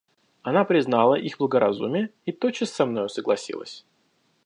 Она признала их благоразумие и тотчас со мною согласилась.